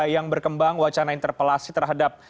yang berkembang wacana interpelasi terhadap